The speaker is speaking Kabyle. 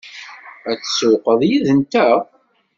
Ad tsewwqeḍ yid-nteɣ?